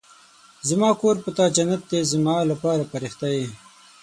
زما کور په تا جنت دی زما لپاره فرښته يې